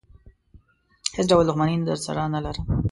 هېڅ ډول دښمني نه درسره لرم.